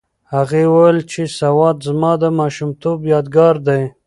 هغې وویل چې سوات زما د ماشومتوب یادګار دی.